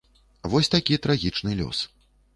Вось такі трагічны лёс.